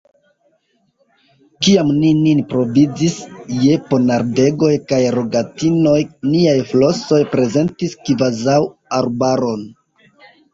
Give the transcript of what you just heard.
Kiam ni nin provizis je ponardegoj kaj rogatinoj, niaj flosoj prezentis kvazaŭ arbaron.